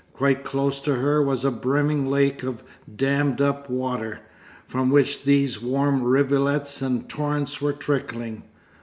Quite close to her was a brimming lake of dammed up water, from which these warm rivulets and torrents were trickling.